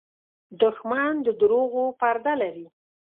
دښمن د دروغو پرده لري